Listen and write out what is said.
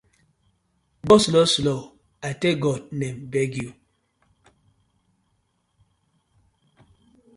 Go slow slow I tak God name beg yu.